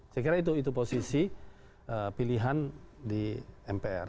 saya kira itu posisi pilihan di mpr